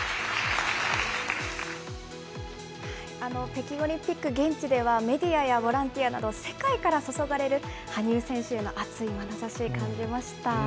北京オリンピック、現地ではメディアやボランティアなど、世界から注がれる羽生選手への熱いまなざし、感じました。